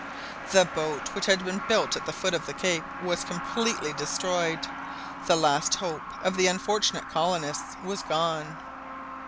The boat which had been built at the foot of the cape was completely destroyed. The last hope of the unfortunate colonists was gone!